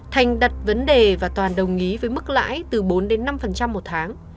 thành đặt vấn đề và toàn đồng ý với mức lãi từ bốn đến năm một tháng